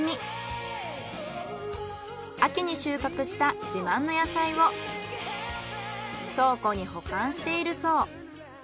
秋に収穫した自慢の野菜を倉庫に保管しているそう。